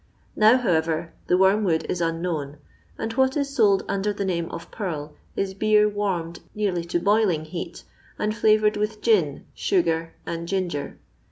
Now, how ever, the wormwood is unknown ; and what is sold under the name of purl is beer wnnnod nearly to boiling heat, and flavoured with gin, sugar, and ginger.